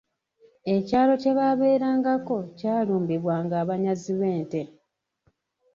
Ekyalo kye baabelangako kyalumbibwanga abanyazi b'ente.